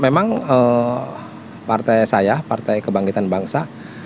memang partai saya partai kebangkitan bangsa